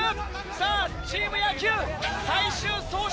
さぁチーム野球最終走者